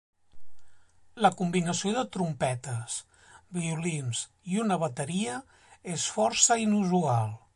La combinació de trompetes, violins i una bateria és força inusual.